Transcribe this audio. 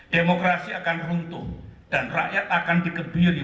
demokrasi akan runtuh dan rakyat akan dikebiri